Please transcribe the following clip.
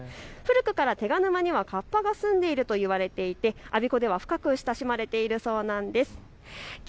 古くから手賀沼にはカッパが住んでいると言われていて我孫子では深く親しまれているそうなんです。